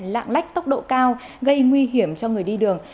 lạng lách tốc độ cao gây nguy hiểm cho người đi đường